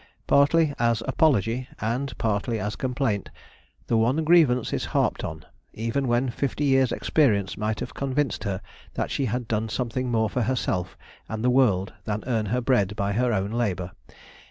Partly as apology and partly as complaint, the one grievance is harped on, even when fifty years' experience might have convinced her that she had done something more for herself and the world than earn her bread by her own labour.